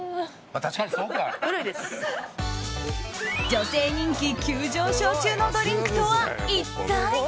女性人気急上昇中のドリンクとは一体？